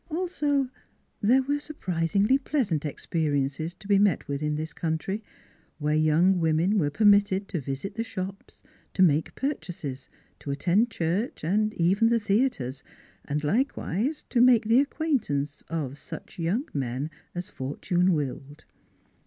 Also, there were surprisingly pleasant experiences to be met with in this country, where young women were permitted to visit the shops, to make purchases, to attend church, and even the theaters, and likewise to make the acquaintance of such young men, as fortune willed.